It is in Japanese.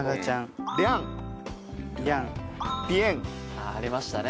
ああありましたね。